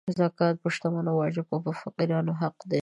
زکات په شتمنو واجب او په فقیرانو حق دی.